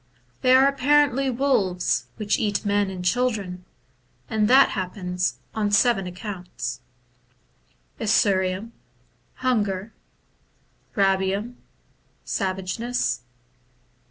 They are apparently wolves which eat men and children, and that happens on seven accounts :— 1. Esuriem Hunger. 2. Rabicm Savageness.